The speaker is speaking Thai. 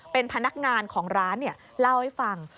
เป็นพนักงานของร้านเล่าให้ฟัง